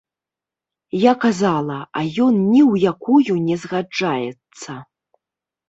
Я казала, а ён ні ў якую не згаджаецца.